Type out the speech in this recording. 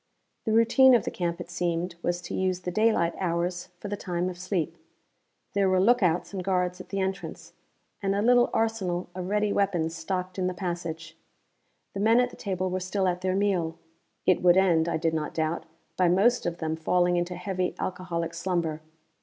The routine of the camp, it seemed, was to use the daylight hours for the time of sleep. There were lookouts and guards at the entrance, and a little arsenal of ready weapons stocked in the passage. The men at the table were still at their meal. It would end, I did not doubt, by most of them falling into heavy alcoholic slumber.